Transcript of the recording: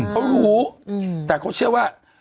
เขารู้แต่เขาเชื่อว่า